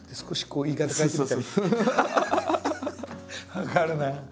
分かるなあ。